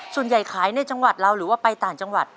ขายในจังหวัดเราหรือว่าไปต่างจังหวัด